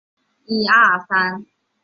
牛油危机还触发人们对政治的不满。